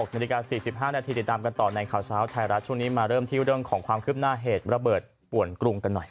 นาฬิกา๔๕นาทีติดตามกันต่อในข่าวเช้าไทยรัฐช่วงนี้มาเริ่มที่เรื่องของความคืบหน้าเหตุระเบิดป่วนกรุงกันหน่อย